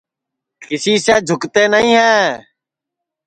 کیسی سے جھوکتے نائی ہے